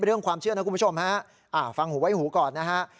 เรื่องความเชื่อนะคุณผู้ชมฮะฟังหูไว้หูก่อนนะฮะ